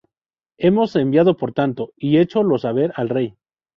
hemos enviado por tanto, y hécho lo saber al rey